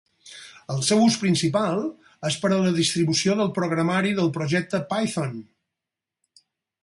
El seu ús principal és per a la distribució del programari del projecte Python.